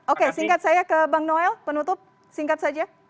oke singkat saya ke bang noel penutup singkat saja